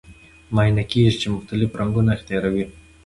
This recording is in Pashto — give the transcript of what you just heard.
معاینه کیږي چې مختلف رنګونه اختیاروي.